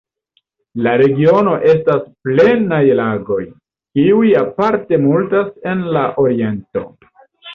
La regiono estas plena je lagoj, kiuj aparte multas en la oriento.